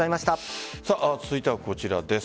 続いてはこちらです。